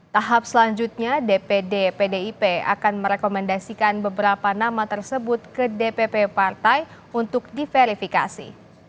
tahap selanjutnya dpd pdip akan merekomendasikan beberapa nama tersebut ke dpp partai untuk diverifikasi